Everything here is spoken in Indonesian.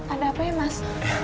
ada apa ya mas